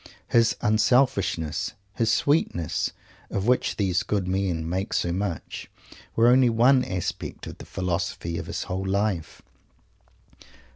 His "unselfishness," his "sweetness," of which these good men make so much, were only one aspect of the Philosophy of his whole life.